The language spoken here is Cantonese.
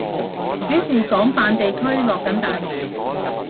表示廣泛地區落緊大雨